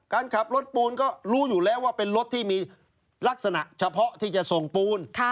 การขับรถปูนก็รู้อยู่แล้วว่าเป็นรถที่มีลักษณะเฉพาะที่จะส่งปูน